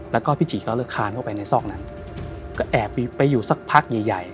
แล้วก็พี่จีก็เลยคานเข้าไปในซอกนั้นก็แอบไปอยู่สักพักใหญ่ใหญ่